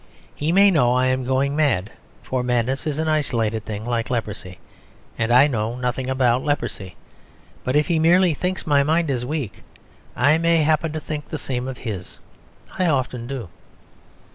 He may know I am going mad; for madness is an isolated thing like leprosy; and I know nothing about leprosy. But if he merely thinks my mind is weak, I may happen to think the same of his. I often do.